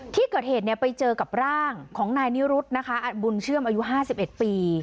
ที่เกิดเหตุไปเจอกับร่างของนายนิรุธนะคะบุญเชื่อมอายุ๕๑ปี